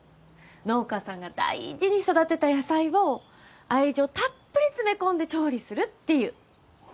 農家さんが大事に育てた野菜を愛情たっぷり詰め込んで調理するっていう。